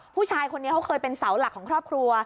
ผู้ชายคนนี้เขาเคยเป็นเสาหลักของครอบครัว